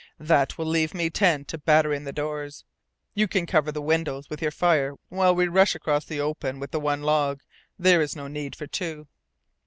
That will leave me ten to batter in the doors. You can cover the windows with your fire while we rush across the open with the one log. There is no need for two."